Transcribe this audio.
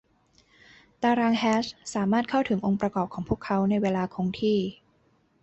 ตารางแฮชสามารถเข้าถึงองค์ประกอบของพวกเขาในเวลาคงที่